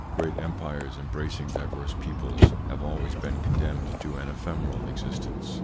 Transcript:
Great empires, embracing diverse peoples, have always been condemned to an ephemeral existence.